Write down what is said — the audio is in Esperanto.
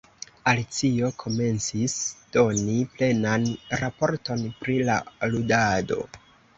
Alicio komencis doni plenan raporton pri la ludado.